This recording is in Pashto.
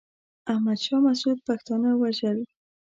احمد شاه مسعود پښتانه وژل.